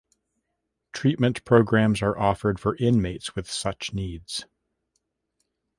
Treatment programs are offered for inmates with such needs.